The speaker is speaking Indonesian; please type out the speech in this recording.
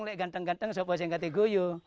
lek ganteng ganteng seperti yang ganti gue